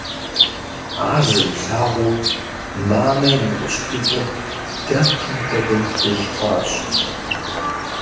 Ар зэрилъагъуу, мамэ и нэкӀущхьитӀыр, дэпым хуэдэу, плъыжь хъуащ.